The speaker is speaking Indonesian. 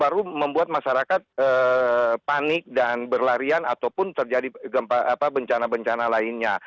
baru membuat masyarakat panik dan berlarian ataupun terjadi bencana bencana lainnya